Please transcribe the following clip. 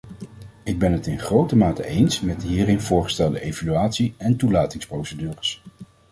Ik ben het in grote mate eens met de hierin voorgestelde evaluatie- en toelatingsprocedures.